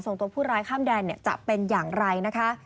ตัวผู้ร้ายข้ามแดนจะเป็นอย่างไรนะคะ